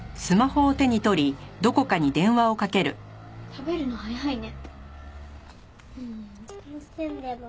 食べるの早いね。